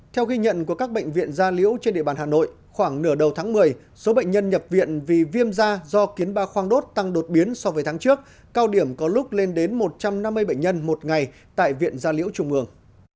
theo ghi nhận của các bệnh viện gia liễu trên địa bàn hà nội khoảng nửa đầu tháng một mươi số bệnh nhân nhập viện vì viêm da do kiến ba khoang đốt tăng đột biến so với tháng trước cao điểm có lúc lên đến một trăm năm mươi bệnh nhân một ngày tại viện gia liễu trung ương